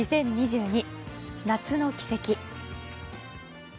２０２２、夏の軌跡。